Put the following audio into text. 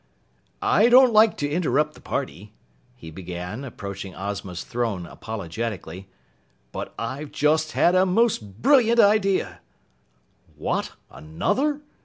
"I don't like to interrupt the party," he began, approaching Ozma's throne apologetically, "but I've just had a most brilliant idea!" "What? Another?"